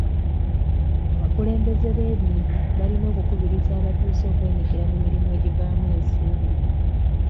Abakulembeze b'ebintu balina okukubiriza abatuuze okwenyigira mu mirimu egivaamu ensimbi.